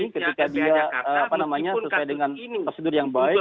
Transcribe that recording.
ketika dia sesuai dengan prosedur yang baik